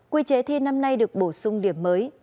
quy chế thi năm nay được bổ sung điểm mới